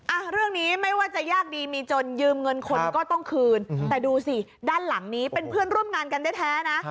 อ่ะเรื่องนี้ไม่ว่าจะยากดีมีจนยืมเงินคนก็ต้องคืนแต่ดูสิด้านหลังนี้เป็นเพื่อนร่วมงานกันแท้นะ